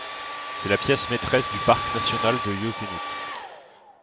C'est la pièce maîtresse du parc national de Yosemite.